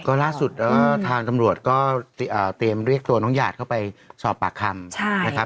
ก็ล่าสุดทางตำรวจก็เตรียมเรียกตัวน้องหยาดเข้าไปสอบปากคำนะครับ